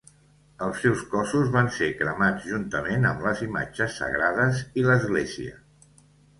Els seus cossos van ser cremats juntament amb les imatges sagrades i l'església.